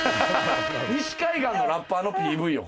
西海岸のラッパーのＰＶよ